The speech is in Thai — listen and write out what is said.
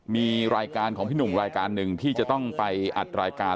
มีรายการของพี่หนุ่มรายการหนึ่งที่จะต้องไปอัดรายการ